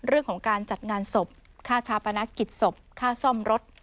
เรื่องของการจัดงานศพค่าชาปนกิจศพค่าซ่อมรถ